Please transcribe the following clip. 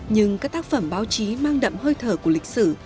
nhưng các tác phẩm báo chí mang đậm hơi thở của lịch sử